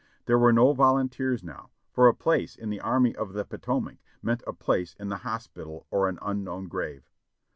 There were no volunteers now, for a place in the Army of the Potomac meant a place in the hospital or an unknown grave.